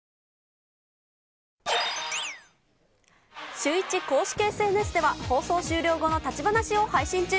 シューイチ公式ＳＮＳでは、放送終了後の立ち話を配信中。